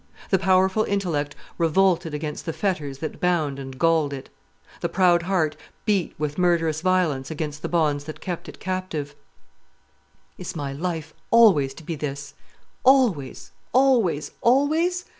The powerful intellect revolted against the fetters that bound and galled it. The proud heart beat with murderous violence against the bonds that kept it captive. "Is my life always to be this always, always, always?"